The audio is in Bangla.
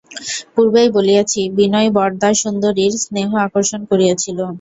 পূর্বেই বলিয়াছি বিনয় বরদাসুন্দরীর স্নেহ আকর্ষণ করিয়াছিল।